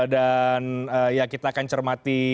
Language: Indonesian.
dan ya kita akan cermati